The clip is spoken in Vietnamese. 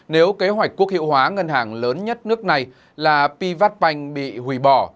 nếu kế hoạch quốc hiệu hóa ngân hàng lớn nhất nước này là pivatbank bị hủy bỏ